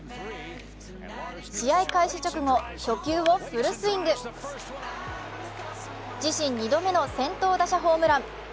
試合開始直後、初球をフルスイング自身２度目の先頭打者ホームラン。